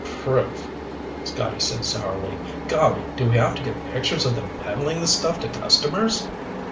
"Proof," Scotty said sourly. "Golly, do we have to get pictures of them peddling the stuff to customers?"